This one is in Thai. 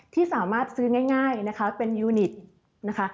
ที่สามารถซื้อง่ายนะคะเป็นยูนิตนะคะ